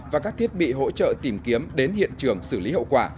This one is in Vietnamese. và các thiết bị hỗ trợ tìm kiếm đến hiện trường xử lý hậu quả